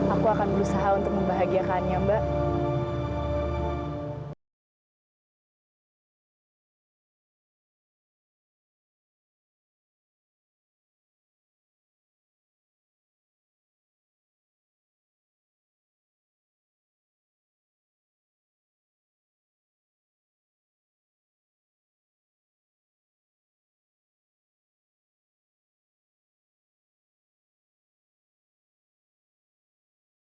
aku akan berusaha untuk membahagiakannya mbak